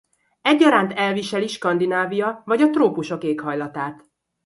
Egyaránt elviseli Skandinávia vagy a trópusok éghajlatát.